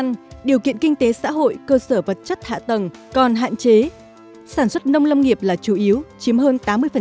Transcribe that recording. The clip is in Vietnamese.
nhưng điều kiện kinh tế xã hội cơ sở vật chất hạ tầng còn hạn chế sản xuất nông lâm nghiệp là chủ yếu chiếm hơn tám mươi